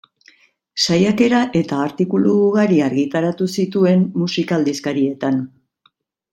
Saiakera eta artikulu ugari argitaratu zituen musika-aldizkarietan.